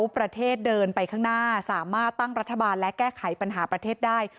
ประเทศเดินไปข้างหน้าสามารถตั้งรัฐบาลและแก้ไขปัญหาประเทศได้